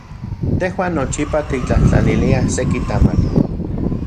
Tejuan nochipa tiktlajtlaniliaj seki tamali.